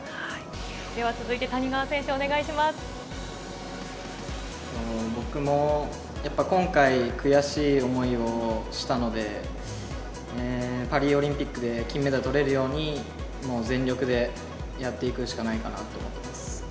では続いて、僕もやっぱ今回、悔しい思いをしたので、パリオリンピックで金メダルとれるように、もう全力でやっていくしかないかなと思ってます。